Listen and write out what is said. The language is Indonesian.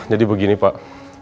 jadi begini pak